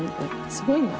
すごいな。